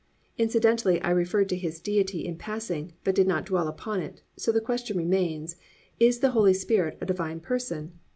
Incidentally I referred to His Deity in passing, but did not dwell upon it, so the question remains, Is the Holy Spirit a Divine person?